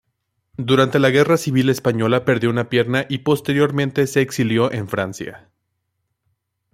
Durante la Guerra Civil Española perdió una pierna y posteriormente se exilió en Francia.